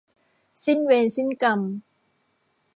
สิ้นเวรสิ้นกรรม